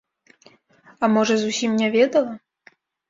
А можа зусім не ведала?